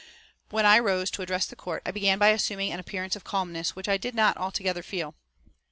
When I rose to address the Court I began by assuming an appearance of calmness which I did not altogether feel.